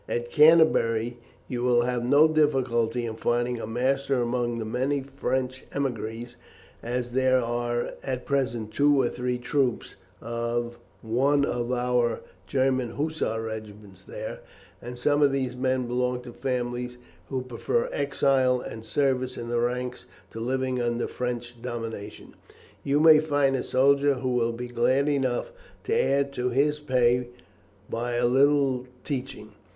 At Canterbury you will have no difficulty in finding a master among the many French émigrés, and as there are at present two or three troops of one of our German Hussar regiments there, and some of these men belong to families who preferred exile and service in the ranks to living under French domination, you may find a soldier who will be glad enough to add to his pay by a little teaching.